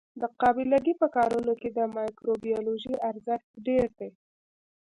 د قابله ګۍ په کارونو کې د مایکروبیولوژي ارزښت ډېر دی.